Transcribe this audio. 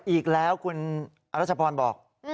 อีกแล้วคุณอรัชพรบอก